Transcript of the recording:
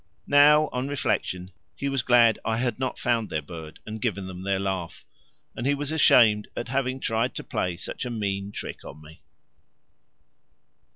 Now, on reflection, he was glad I had not found their bird and given them their laugh, and he was ashamed at having tried to play such a mean trick on me!